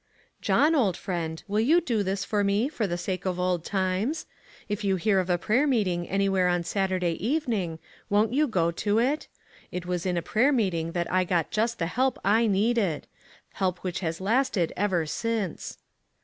"John, old friend, will 3 011 do this for me, for the sake of old times? If you hear of a prayer meeting anywhere on Saturday evening, won't you go to it? It was in a prayer meeting that I got just the help I needed; help which has lasted ever since."